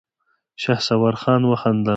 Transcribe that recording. شهسوار خان وخندل.